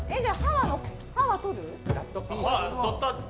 「は」は取る？